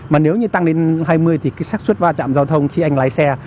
mà nếu như tăng đến hai mươi thì cái xác suất va chạm giao thông khi anh lái xe